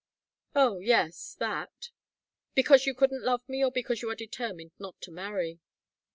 "Oh yes that." "Because you couldn't love me, or because you are determined not to marry?"